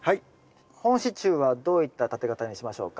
本支柱はどういった立て方にしましょうか？